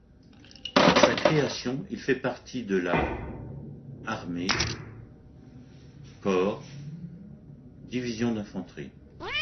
À sa création il fait partie de la armée, corps, division d'infanterie.